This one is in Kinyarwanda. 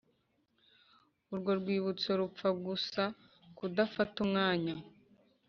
urwo rwibutso rupfa gusa kudafata umwanya.